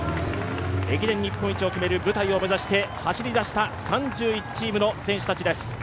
駅伝日本一を決める舞台に向けて走り出した３１チームの選手たちです。